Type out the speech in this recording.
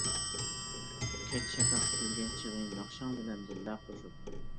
كەچ شەپەق كۈلگەن چېغى ناخشاڭ بىلەن بىللە قوشۇپ.